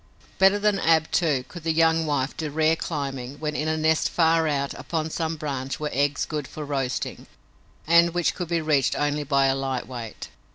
Better than Ab, too, could the young wife do rare climbing when in a nest far out upon some branch were eggs good for roasting and which could be reached only by a light weight.